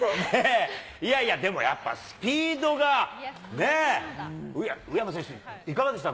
いやいや、でもやっぱスピードがね、宇山選手、いかがでした？